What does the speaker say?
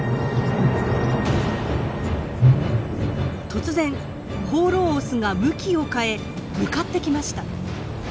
突然放浪オスが向きを変え向かってきました。